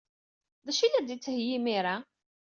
D acu ay la d-yettheyyi imir-a?